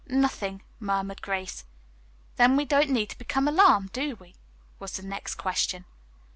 "Nothing," murmured Grace. "Then we don't need to become alarmed, do we?" was the next question.